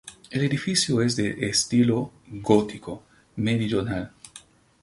El edificio es de estilo gótico meridional.